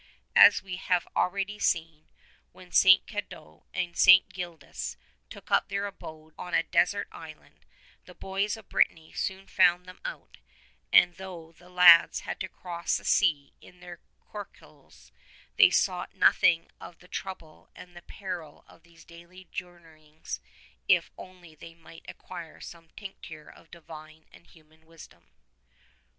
As we have already seen, when St. Cadoc and St. Gildas lOI took up their abode on a desert island, the boys of Brittany soon found them out, and though the lads had to cross the sea in their corricles they thought nothing of the trouble and the peril of these daily joumeyings if only they might acquire some tincture of divine and human wisdom.